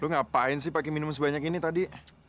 lo ngapain sih pake minum sebanyak ini tadi